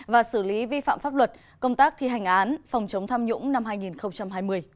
và xử lý vi phạm pháp luật công tác thi hành án phòng chống tham nhũng năm hai nghìn hai mươi